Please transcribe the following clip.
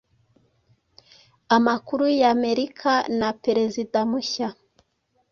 amakuru y’ amerika na perezida mushya